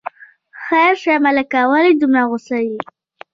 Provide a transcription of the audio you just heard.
خیر شه ملکه، ولې دومره غوسه یې.